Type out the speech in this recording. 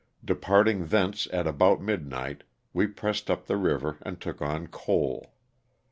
Departing thence at about midnight we pressed up the river and took on coal.